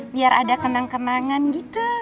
biar ada kenang kenangan gitu